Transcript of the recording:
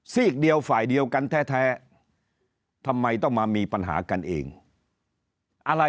กเดียวฝ่ายเดียวกันแท้ทำไมต้องมามีปัญหากันเองอะไร